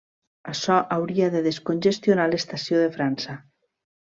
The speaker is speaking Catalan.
Açò hauria de descongestionar l'estació de França.